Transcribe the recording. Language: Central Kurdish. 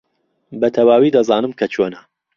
بەتەواوی دەزانم کە چۆنە.